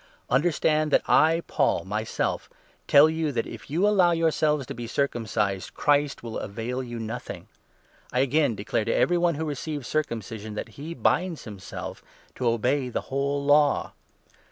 Understand that I, Paul, myself tell you that if you allow 2 yourselves to be circumcised, Christ will avail you nothing. I 3 again declare to every one who receives circumcision, that he binds himself to obey the whole Law.